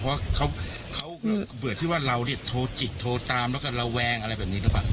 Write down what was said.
เพราะเขาก็เบื่อที่ว่าเราเนี่ยโทรจิกโทรตามแล้วก็ระแวงอะไรแบบนี้หรือเปล่า